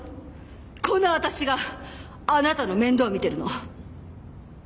この私があなたの面倒を見てるの。